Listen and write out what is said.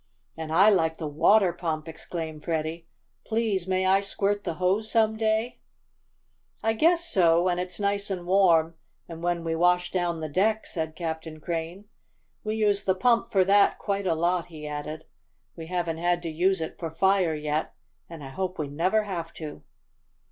"And I like the water pump!" exclaimed Freddie. "Please may I squirt the hose some day?" "I guess so, when it's nice and warm, and when we wash down the decks," said Captain Crane. "We use the pump for that quite a lot," he added. "We haven't had to use it for fire yet, and I hope we never have to."